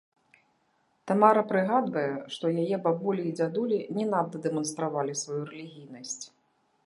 Тамара прыгадвае, што яе бабулі і дзядулі не надта дэманстравалі сваю рэлігійнасць.